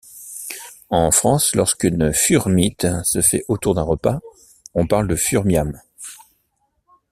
En France, lorsqu'une furmeet se fait autour d'un repas, on parle de furmiam.